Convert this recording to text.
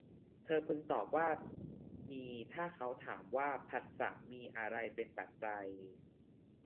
เธอพึงตอบว่ามีถ้าเขาถามว่า ผัสสะมีอะไรเป็นปัจจัย